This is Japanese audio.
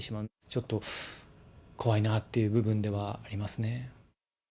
ちょっと怖いなっていう部分ではありますね。